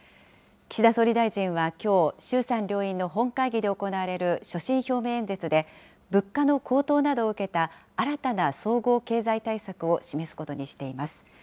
岸田総理大臣はきょう、衆参両院の本会議で行われる所信表明演説で、物価の高騰などを受けた、新たな総合経済対策を示すことにしています。